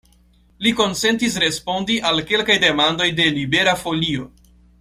Li konsentis respondi al kelkaj demandoj de Libera Folio.